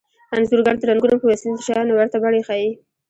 انځورګر د رنګونو په وسیله د شیانو ورته بڼې ښيي